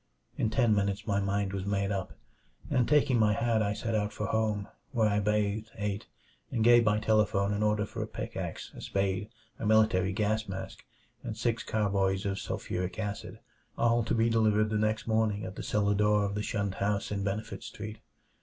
In ten minutes my mind was made up, and taking my hat I set out for home, where I bathed, ate, and gave by telephone an order for a pickax, a spade, a military gas mask, and six carboys of sulfuric acid, all to be delivered the next morning at the cellar door of the shunned house in Benefit Street.